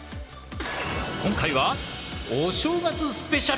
今回はお正月スペシャル！